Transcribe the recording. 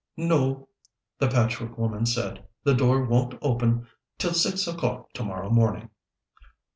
"No," the Patchwork Woman said. "The door won't open till six o'clock to morrow morning."